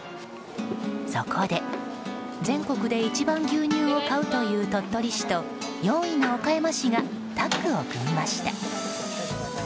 そこで、全国で一番牛乳を買うという鳥取市と４位の岡山市がタッグを組みました。